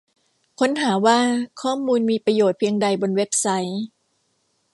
ค้นหาว่าข้อมูลมีประโยชน์เพียงใดบนเว็บไซต์